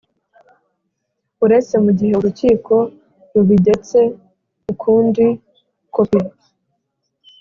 Uretse mu gihe urukiko rubigetse ukundi kopi